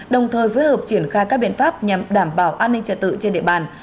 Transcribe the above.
đồng thời phối hợp triển khai các biện pháp nhằm đảm bảo an ninh trật tự trên địa bàn